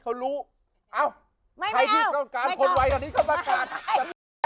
เดี๋ยวก่อนไม่มี